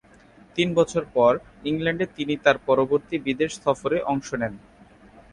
তিন বছর পর ইংল্যান্ডে তিনি তার পরবর্তী বিদেশ সফরে অংশ নেন।